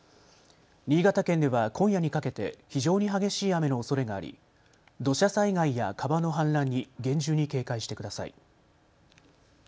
新潟県では今夜にかけて非常に激しい雨のおそれがあり土砂災害や川の氾濫に厳重に警戒してください。